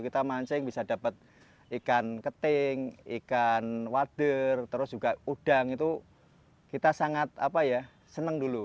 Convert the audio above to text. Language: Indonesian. ketika kita sering bisa dapat ikan keting ikan wader terus juga udang itu kita sangat apa ya seneng dulu